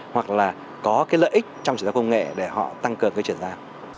hoặc là có lợi ích trong trở ra công nghệ để họ tăng cường trở ra